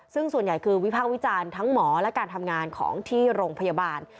ซึ่งส่วนใหญ่คือวิพากษ์วิจารณ์ทั้งหมอและการทำงานของที่โรงพยาบาล